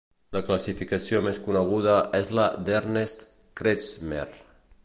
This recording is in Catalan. La classificació més coneguda és la d'Ernst Kretschmer.